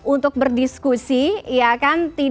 untuk berdiskusi ya kan